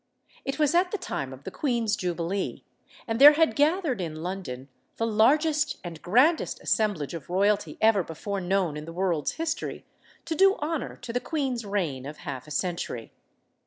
It was at the time of the queen's jubilee, and there had gathered in London the largest and grandest assemblage of royalty ever before known in the world's history, to do honor to the queen's reign of half a century.